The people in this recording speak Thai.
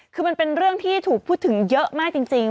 ผมพูดถึงเยอะมากจริง